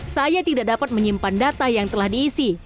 saya tidak dapat menyimpan data yang telah diisi